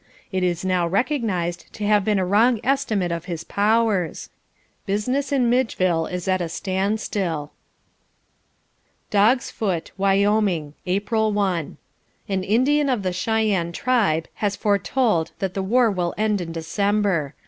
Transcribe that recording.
This is now recognised to have been a wrong estimate of his powers. Business in Midgeville is at a standstill. Dog's Foot. Wyoming. April 1. An Indian of the Cheyenne tribe has foretold that the war will end in December.